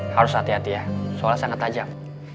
harus hati hati ya soalnya sangat tajam